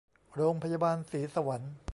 โรงพยาบาลศรีสวรรค์